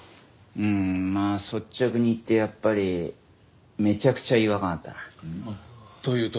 うーんまあ率直に言ってやっぱりめちゃくちゃ違和感あったな。というと？